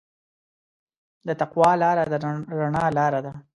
د تقوی لاره د رڼا لاره ده.